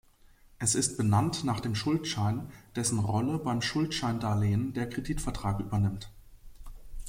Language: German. Es ist benannt nach dem Schuldschein, dessen Rolle beim Schuldscheindarlehen der Kreditvertrag übernimmt.